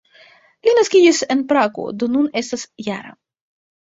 Li naskiĝis en Prago, do nun estas -jara.